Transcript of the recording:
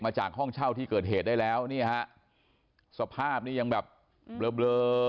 มาจากห้องเช่าที่เกิดเหตุได้แล้วสภาพยังแบบเบลอ